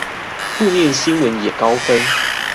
負面新聞也高分